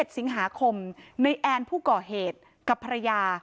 ๑สิงหาคมในแอนผู้ก่อเหตุกับภรรยา